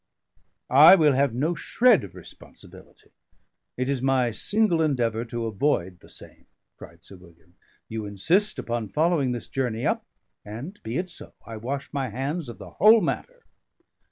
"I will have no shred of responsibility; it is my single endeavour to avoid the same," cried Sir William. "You insist upon following this journey up; and be it so! I wash my hands of the whole matter."